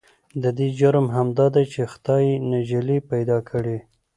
د دې جرم همدا دی چې خدای يې نجلې پيدا کړې.